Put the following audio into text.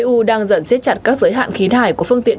eu đang dẫn chết chặt các giới hạn khí thải của phương tiện mới